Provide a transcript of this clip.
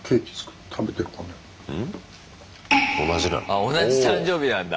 あ同じ誕生日なんだ。